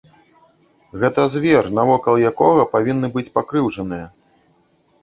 Гэта звер, навокал якога павінны быць пакрыўджаныя.